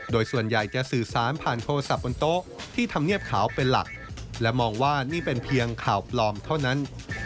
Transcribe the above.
โดยส่วนใหญ่จะสื่อสารผ่านโทรศัพท์บนโต๊ะที่ทำเนียบขาวเป็นหลักและมองว่านี่เป็นเพียงข่าวปลอมเท่านั้น